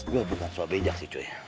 gue bukan soal bijak sih tuy